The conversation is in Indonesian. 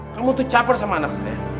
kamu itu cabar sama anak saya